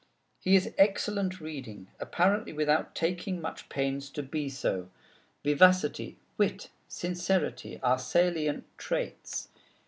He is excellent reading, apparently without taking much pains to be so. Vivacity, wit, sincerity, are salient traits.